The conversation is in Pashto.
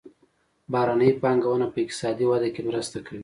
بهرنۍ پانګونه په اقتصادي وده کې مرسته کوي.